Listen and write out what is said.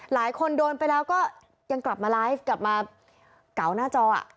หลายคนโดนไปแล้วก็ยังกลับมาไลฟ์กลับมาเก๋าหน้าจอ